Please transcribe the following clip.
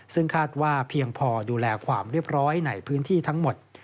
ซึ่งคาดว่าเพียงพอดูแลความเรียบร้อยในพื้นที่ทั้งหมด